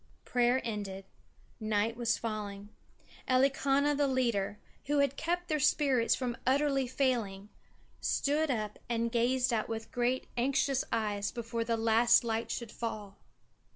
Prayer ended; night was falling. Elikana the leader, who had kept their spirits from utterly failing, stood up and gazed out with great anxious eyes before the last light should fail.